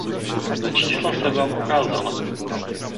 Ta čísla jsem vám ukázala.